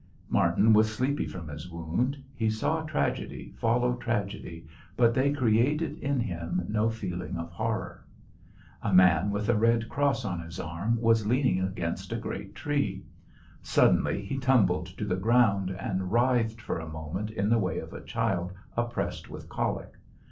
Martin was sleepy from his wound. He saw tragedy follow tragedy, but they created in him no feeling of horror. A man with a red cross on his arm was leaning against a great tree. Suddenly he tumbled to the ground, and writhed for a moment in the way of a child oppressed with colic.